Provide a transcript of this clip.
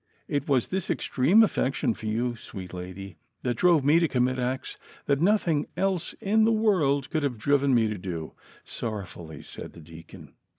It was this extreme affection for you, sweet lady, that drove me to commit acts that nothing else in the W'Orld could have driven me to do," sorrowfully said the deacon.